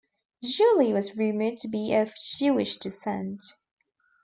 Julie was rumored to be of Jewish descent.